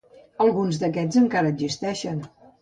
Alguns d'aquests encara existeixen.